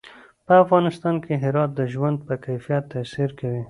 په افغانستان کې هرات د ژوند په کیفیت تاثیر کوي.